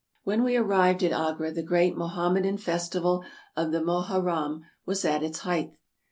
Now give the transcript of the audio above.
When we arrived at Agra the great Mohammedan festi val of the Moharram was at its height.